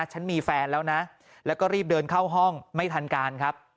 ฉันมีแฟนแล้วนะแล้วก็รีบเดินเข้าห้องไม่ทันการครับ